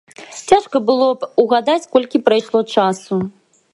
Цяжка было б угадаць, колькі прайшло часу.